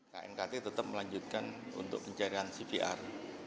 knkt tetap melanjutkan untuk pencarian cvr